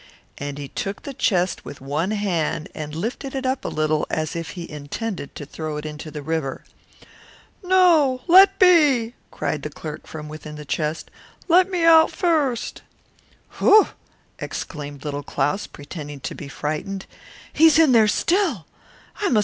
So he seized the chest in his hand and lifted it up a little, as if he were going to throw it into the water. "No, leave it alone," cried the sexton from within the chest; "let me out first." "Oh," exclaimed Little Claus, pretending to be frightened, "he is in there still, is he?